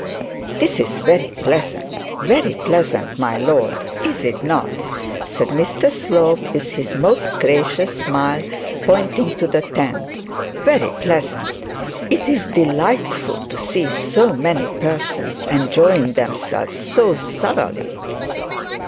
'This is very pleasant very pleasant, my lord, is it not?' said Mr Slope with his most gracious smile, and pointing to the tent; 'very pleasant. It is delightful to see so many persons enjoying themselves so thoroughly.'